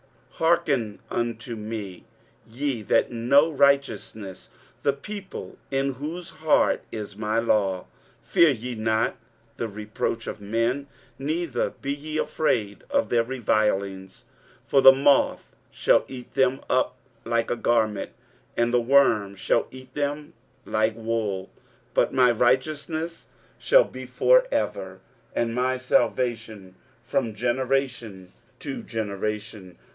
23:051:007 Hearken unto me, ye that know righteousness, the people in whose heart is my law; fear ye not the reproach of men, neither be ye afraid of their revilings. 23:051:008 For the moth shall eat them up like a garment, and the worm shall eat them like wool: but my righteousness shall be for ever, and my salvation from generation to generation.